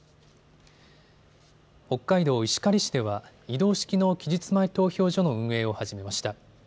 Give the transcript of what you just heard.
北海道石狩市では移動式の期日前投票所の運営を始めました。